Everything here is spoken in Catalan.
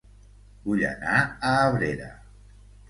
Vull anar a Abrera